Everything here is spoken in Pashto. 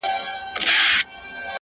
ستا د شعر دنيا يې خوښـه سـوېده,